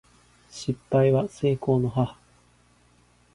失敗は成功の母